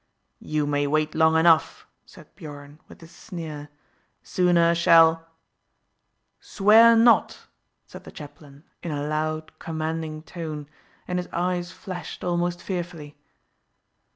"You may wait long enough," said Biorn, with a sneer. "Sooner shall " "Swear not!" said the chaplain in a loud commanding tone, and his eyes flashed almost fearfully.